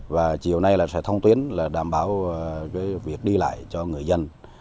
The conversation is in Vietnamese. và chiều nay là sẽ thông tuyến là đảm bảo cái việc đi lại cho người dân